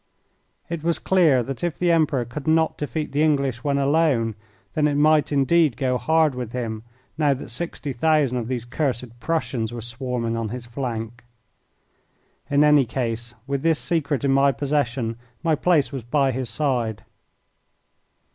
It was clear that if the Emperor could not defeat the English when alone, then it might, indeed, go hard with him now that sixty thousand of these cursed Prussians were swarming on his flank. In any case, with this secret in my possession, my place was by his side.